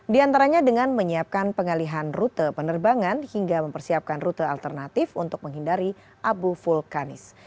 di antaranya dengan menyiapkan pengalihan rute penerbangan hingga mempersiapkan rute alternatif untuk menghindari abu vulkanis